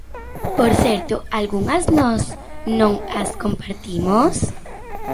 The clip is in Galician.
Por certo, algunhas nós non as compartimos.